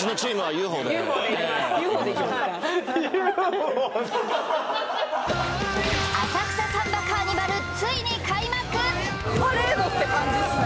ＵＦＯでパレードって感じですね